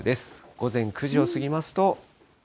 午前９時を過ぎますと。